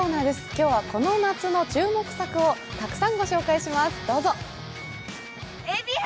今日はこの夏の注目作をたくさんご紹介します。